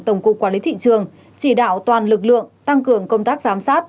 tổng cục quản lý thị trường chỉ đạo toàn lực lượng tăng cường công tác giám sát